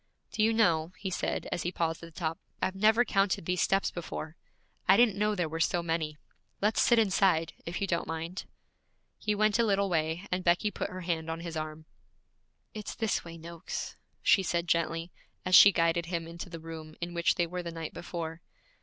'Do you know,' he said, as he paused at the top, 'I've never counted these steps before. I didn't know there were so many. Let's sit inside, if you don't mind.' He went a little way, and Becky put her hand on his arm. 'It's this way, Noakes,' she said gently, as she guided him into the room in which they were the night before.